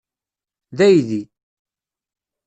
D aydi.